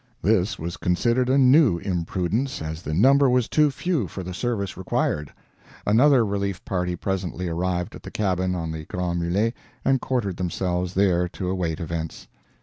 This was considered a new imprudence, as the number was too few for the service required. Another relief party presently arrived at the cabin on the Grands Mulets and quartered themselves there to await events.